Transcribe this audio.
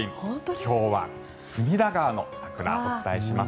今日は隅田川の桜をお伝えします。